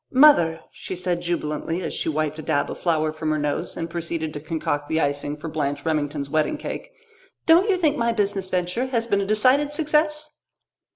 "Mother," she said jubilantly, as she wiped a dab of flour from her nose and proceeded to concoct the icing for Blanche Remington's wedding cake, "don't you think my business venture has been a decided success?"